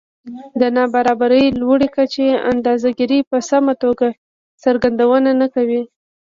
د نابرابرۍ لوړې کچې اندازه ګيرۍ په سمه توګه څرګندونه نه کوي